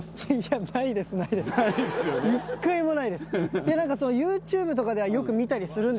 ないですよね。